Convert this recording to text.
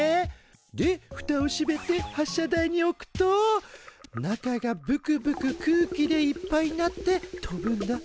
でふたをしめて発射台に置くと中がぶくぶく空気でいっぱいになって飛ぶんだ。